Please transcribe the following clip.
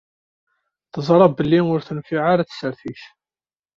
Teẓṛa belli ur tenfiɛ ara tsertit.